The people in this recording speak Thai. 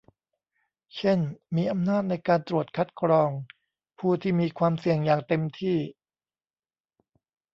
เช่น มีอำนาจในการตรวจคัดกรองผู้ที่มีความเสี่ยงอย่างเต็มที่